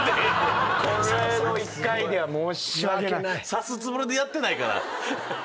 刺すつもりでやってないから。